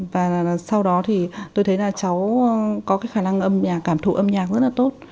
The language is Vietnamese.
và sau đó thì tôi thấy là cháu có cái khả năng âm nhạc cảm thụ âm nhạc rất là tốt